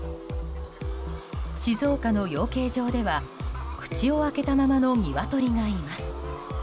静岡の養鶏場では口を開けたままのニワトリがいます。